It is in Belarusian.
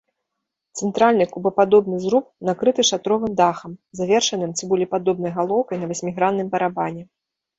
Цэнтральны кубападобны зруб накрыты шатровым дахам, завершаным цыбулепадобнай галоўкай на васьмігранным барабане.